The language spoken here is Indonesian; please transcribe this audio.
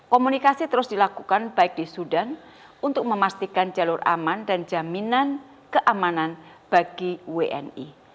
komunikasi terus dilakukan baik di sudan untuk memastikan jalur aman dan jaminan keamanan bagi wni